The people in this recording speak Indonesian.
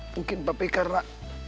mungkin papi karena